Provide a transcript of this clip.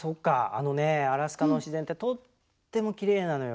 あのねアラスカの自然ってとってもきれいなのよ。